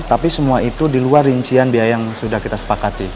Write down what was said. tapi semua itu di luar rincian biaya yang sudah kita sepakati